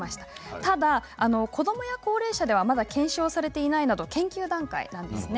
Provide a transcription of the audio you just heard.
ただ子どもや高齢者でまだ検証されていない研究段階なんです。